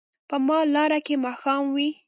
په ما به لاره کې ماښام وي